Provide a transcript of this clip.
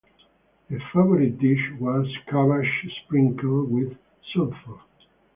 A favourite dish was "cabbage sprinkled with sulphur".